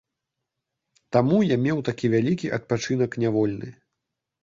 Таму я меў такі вялікі адпачынак нявольны.